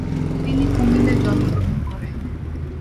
তিনি কুমিল্লায় জন্মগ্রহণ করেন।